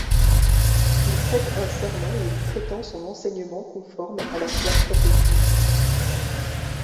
Il prête un serment où il prétend son enseignement conforme à la foi catholique.